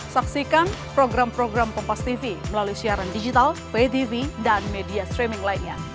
saksikan program program kompastv melalui siaran digital vtv dan media streaming lainnya